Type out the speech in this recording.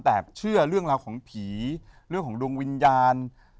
แต่เชื่อเรื่องราวของผีเรื่องของดวงวิญญาณ